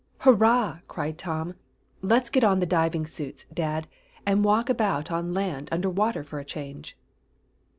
"Hurrah!" cried Tom. "Let's get on the diving suits, dad, and walk about on land under water for a change."